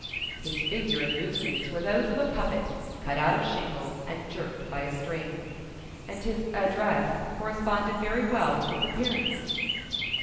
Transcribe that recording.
His figure and movements were those of a puppet cut out of shingle and jerked by a string; and his address corresponded very well with his appearance.